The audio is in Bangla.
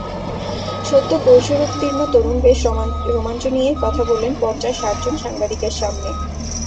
সদ্য কৈশোরোত্তীর্ণ তরুণ বেশ রোমাঞ্চ নিয়েই কথা বললেন পঞ্চাশ-ষাটজন সাংবাদিকের সামনে।